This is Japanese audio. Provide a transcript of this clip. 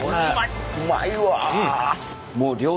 うまいわ。ね！